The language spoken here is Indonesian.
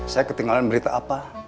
saya ketinggalan berita apa